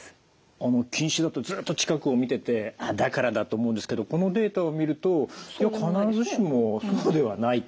あの近視だとずっと近くを見ててだからだと思うんですけどこのデータを見ると必ずしもそうではないと。